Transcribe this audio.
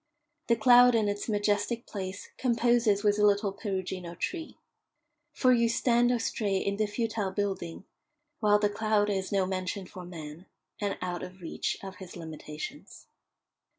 The cloud in its majestic place composes with a little Perugino tree. For you stand or stray in the futile building, while the cloud is no mansion for man, and out of reach of his limitations.